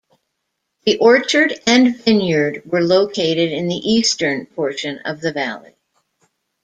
The orchard and vineyard were located in the eastern portion of the valley.